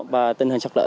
và tình hình sọc lở